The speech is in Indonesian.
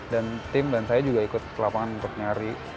dan tim dan saya juga ikut ke lapangan untuk nyari